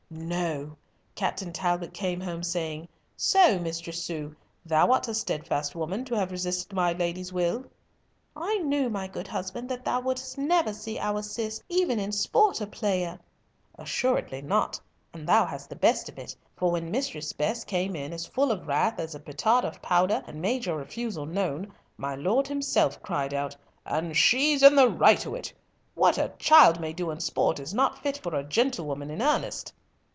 No! Captain Talbot came home, saying, "So, Mistress Sue, thou art a steadfast woman, to have resisted my lady's will!" "I knew, my good husband, that thou wouldst never see our Cis even in sport a player!" "Assuredly not, and thou hadst the best of it, for when Mistress Bess came in as full of wrath as a petard of powder, and made your refusal known, my lord himself cried out, 'And she's in the right o't! What a child may do in sport is not fit for a gentlewoman in earnest.'"